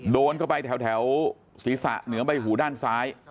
โดนเข้าไปแถวศีรษะเหนือใบหูด้านซ้าย